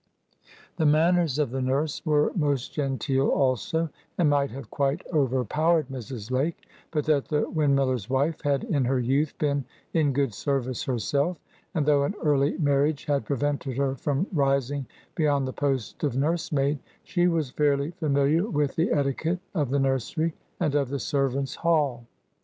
The manners of the nurse were most genteel also, and might have quite overpowered Mrs. Lake, but that the windmiller's wife had in her youth been in good service herself, and, though an early marriage had prevented her from rising beyond the post of nursemaid, she was fairly familiar with the etiquette of the nursery and of the servants' hall.